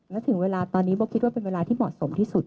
และถึงเวลาตอนนี้โบ๊คิดว่าเป็นเวลาที่เหมาะสมที่สุด